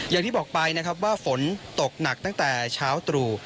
อย่างที่บอกไปนะครับว่าฝนตกหนักตั้งแต่เช้าตรู่